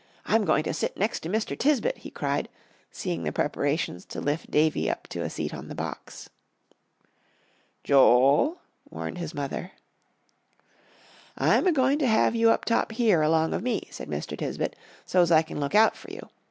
I'm going to sit next to Mr. Tisbett," he cried, seeing the preparations to lift Davie up to a seat on the box. "Joel," warned his mother. "I'm a goin' to have you up top here, along of me," said Mr. Tisbett, "so's I can look out for you.